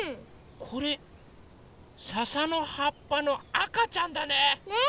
これささのはっぱのあかちゃんだね！ね！